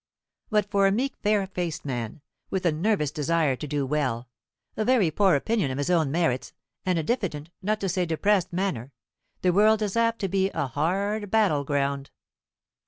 But for a meek fair faced man, with a nervous desire to do well, a very poor opinion of his own merits, and a diffident, not to say depressed manner, the world is apt to be a hard battle ground.